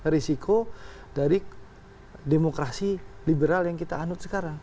risiko dari demokrasi liberal yang kita anut sekarang